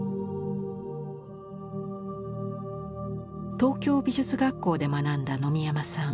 東京美術学校で学んだ野見山さん。